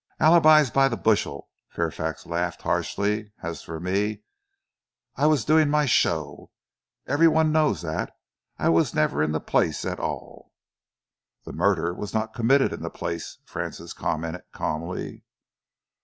"Alibis by the bushel," Fairfax laughed harshly. "As for me, I was doing my show every one knows that. I was never in the place at all." "The murder was not committed in the place," Francis commented calmly.